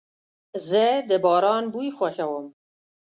زه د باران بوی خوښوم.